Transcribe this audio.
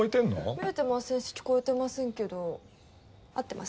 見えてませんし聞こえてませんけど合ってます？